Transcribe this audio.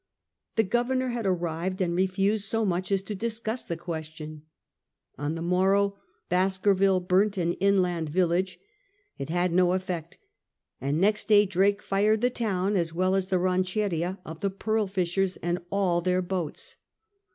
The governor had arrived, and refused so much as to discuss the question. On the morrow Baskerville burnt an inland village. It had no effect, and next day Drake fired the town, as well as the rancheria of the pearl fishers and all their boats.